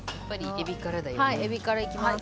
えびからいきます。